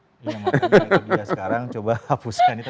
iya makanya kita juga sekarang coba hapuskan itu